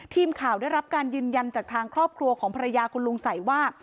ทีมข่าวได้รับการยืนยันจากทางครอบครัวของภรรยาคุณลุงสัยว่า